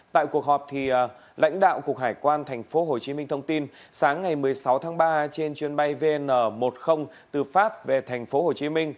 tại cuộc họp lãnh đạo cục hải quan tp hcm thông tin sáng ngày một mươi sáu tháng ba trên chuyến bay vn một mươi từ pháp về tp hcm